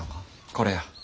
これや。